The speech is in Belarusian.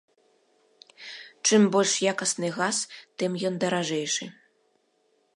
Чым больш якасны газ, тым ён даражэйшы.